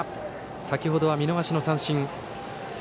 先程は見逃しの三振。